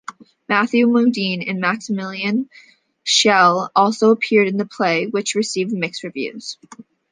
Matthew Modine and Maximilian Schell also appeared in the play, which received mixed reviews.